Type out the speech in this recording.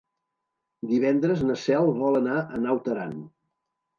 Divendres na Cel vol anar a Naut Aran.